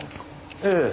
ええ。